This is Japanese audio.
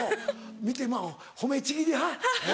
見てまぁ褒めちぎり派。